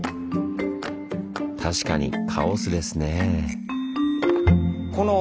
確かにカオスですねぇ。